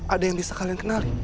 ada yang bisa kalian kenali